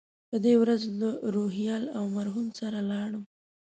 په دې ورځ له روهیال او مرهون سره لاړم.